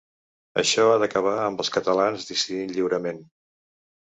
Això ha d’acabar amb els catalans decidint lliurement.